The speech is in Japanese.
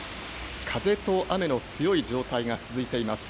風と雨の強い状態が続いています。